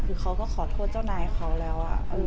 คือเขาก็ขอโทษเจ้านายเขาแล้ว